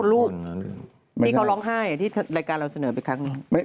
รูปที่เขาร้องไห้ที่รายการเราเสนอไปครั้งหนึ่ง